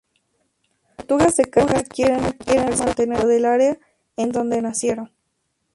Las tortugas de caja quieren mantenerse dentro del área en donde nacieron.